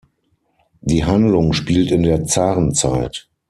Die Handlung spielt in der Zarenzeit.